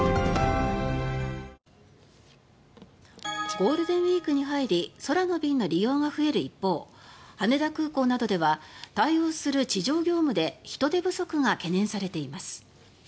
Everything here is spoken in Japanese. ゴールデンウィークに入り空の便の利用が増える一方羽田空港などでは対応する地上業務で人手不足が懸念されています。